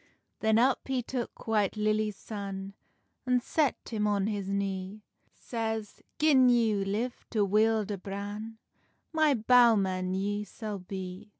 Then up he took White Lilly's son, An set him on his knee; Says—"Gin ye live to wield a bran, My bowman ye sall bee."